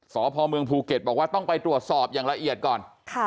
สพเมืองภูเก็ตบอกว่าต้องไปตรวจสอบอย่างละเอียดก่อน